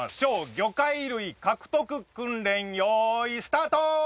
魚介類獲得訓練よいスタート！